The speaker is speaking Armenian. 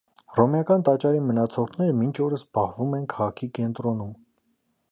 Հռոմեական տաճարի մնացորդները մինչ օրս պահվում են քաղաքի կենտրոնում։